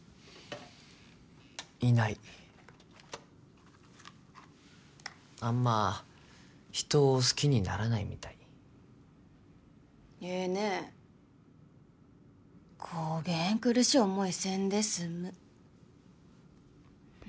いないあんま人を好きにならないみたいええねこげん苦しい思いせんで済む